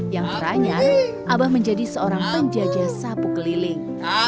yang beranyar abah menjadi seorang penjajah sapu keliling